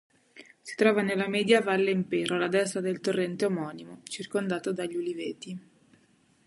Si trova nella media valle Impero alla destra del torrente omonimo, circondato dagli uliveti.